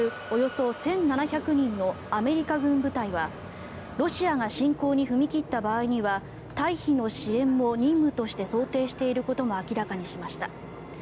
およそ１７００人のアメリカ軍部隊はロシアが侵攻に踏み切った場合には退避の支援も任務として想定していることを明らかにしました。